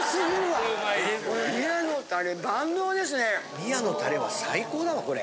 宮のたれは最高だわこれ。